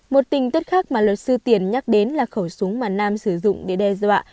một tình tiết khác mà luật sư tiền nhắc đến là khẩu súng mà nam sử dụng để đe dọa